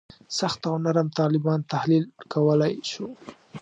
سخت او نرم طالبان تحلیل کولای شو.